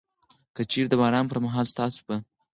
که چيري د باران پر مهال ستاسو په